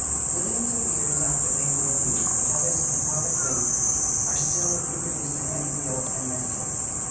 ... Millions of years after they were of use, the feathers of the pelvic wing are still re produced in embryo and nestling.